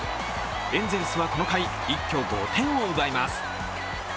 エンゼルスはこの回一挙５点を奪います。